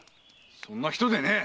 そんな人でねえ！